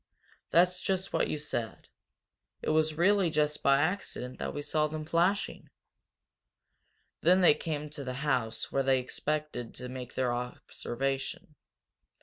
That's just what you said. It was really just by accident that we saw them flashing." Then they came to the house where they expected to make their observation.